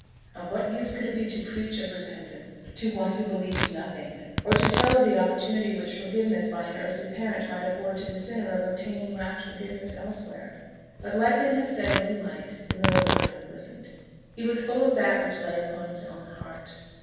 Of what use could it be to preach of repentance to one who believed nothing; or to tell of the opportunity which forgiveness by an earthly parent might afford to the sinner of obtaining lasting forgiveness elsewhere? But let him have said what he might, the miller would not have listened. He was full of that which lay upon his own heart.